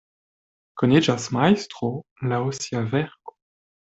Koniĝas majstro laŭ sia verko.